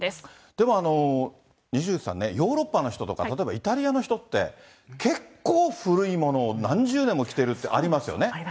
でもにしぐちさんね、ヨーロッパの人とか、例えばイタリアの人って、結構古いものを何十年も着てるってありますよね。